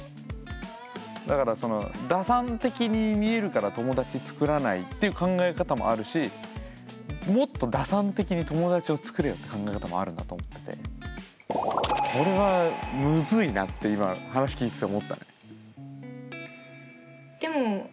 だからその打算的に見えるから友達作らないっていう考え方もあるしもっと打算的に友達を作れよって考え方もあるなと思っててこれはむずいなって今話聞いてて思ったね。